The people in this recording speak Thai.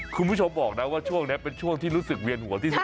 คุณผู้ชมบอกนะว่าช่วงนี้เป็นช่วงที่รู้สึกเวียนหัวที่สุด